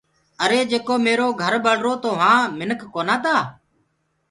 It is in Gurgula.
آري جيڪو ميرو گھر ٻݪرو تو وهآ منک ڪونآ تآ